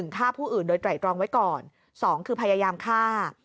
ฆ่าผู้อื่นโดยไตรตรองไว้ก่อน๒คือพยายามฆ่า